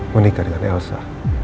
menikah dengan elsa